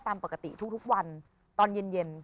ตามปกติทุกวันตอนเย็น